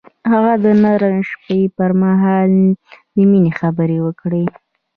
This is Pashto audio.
هغه د نرم شپه پر مهال د مینې خبرې وکړې.